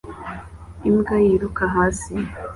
imbwa yiruka hasi